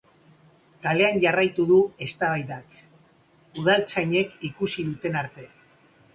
Kalean jarraitu du eztabaidak, udaltzainek ikusi duten arte.